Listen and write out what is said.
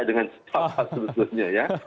dengan sebuah sebuah sebetulnya ya